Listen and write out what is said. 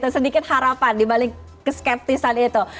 sedikit harapan dibalik keskeptisan itu